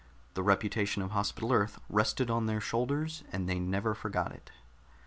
The reputation of Hospital Earth rested on their shoulders, and they never forgot it.